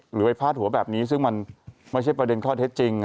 หรือไปพาดหัวแบบนี้ซึ่งมันไม่ใช่ประเด็นข้อเท็จจริง